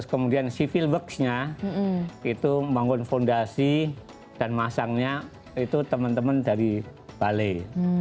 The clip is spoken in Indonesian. kemudian civil works nya itu membangun fondasi dan masangnya itu teman teman dari balai